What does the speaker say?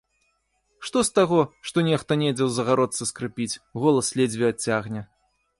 Што з таго, што нехта недзе ў загародцы скрыпіць, голас ледзьве адцягне?